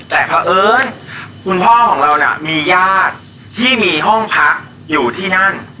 แต่เพราะเอิญคุณพ่อของเราเนี่ยมีญาติที่มีห้องพักอยู่ที่นั่น